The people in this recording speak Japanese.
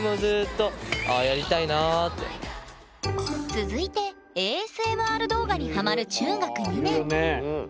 続いてＡＳＭＲ動画にハマる中学２年いるいる。